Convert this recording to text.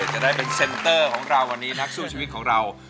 จะได้เป็นเซ็นเตอร์ของเราวันนี้นักสู้ชีวิตของเรา